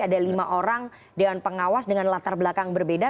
ada lima orang dewan pengawas dengan latar belakang berbeda